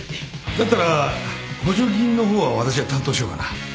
だったら補助金の方は私が担当しようかな。